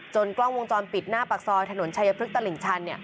กล้องวงจรปิดหน้าปากซอยถนนชายพลึกตลิ่งชัน